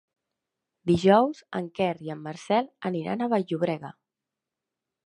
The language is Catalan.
Dijous en Quer i en Marcel aniran a Vall-llobrega.